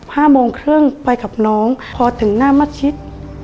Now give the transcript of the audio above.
ห้าโมงครึ่งไปกับน้องพอถึงหน้ามัดชิด